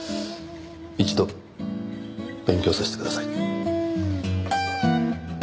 一度勉強させてください。